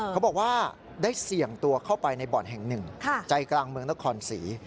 เขาบอกว่าได้เสี่ยงตัวเข้าไปในบ่อนแห่งหนึ่งใจกลางเมืองนครศรี